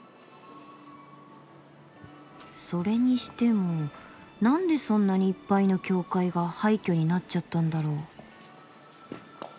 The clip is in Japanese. それにしてもなんでそんなにいっぱいの教会が廃虚になっちゃったんだろう？